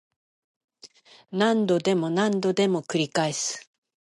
何度でも何度でも繰り返す